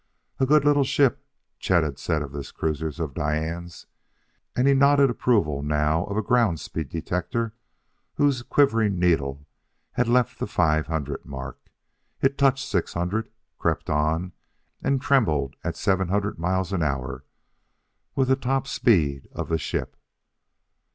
"A good little ship," Chet had said of this cruiser of Diane's; and he nodded approval now of a ground speed detector whose quivering needle had left the 500 mark. It touched 600, crept on, and trembled at 700 miles an hour with the top speed of the ship.